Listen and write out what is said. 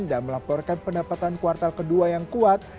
melaporkan pendapatan kuartal kedua yang kuat